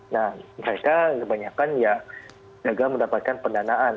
nah mereka kebanyakan ya gagal mendapatkan pendanaan